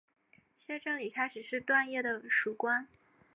谢正礼开始是段业的属官。